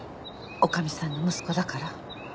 女将さんの息子だから？